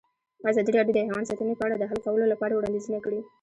ازادي راډیو د حیوان ساتنه په اړه د حل کولو لپاره وړاندیزونه کړي.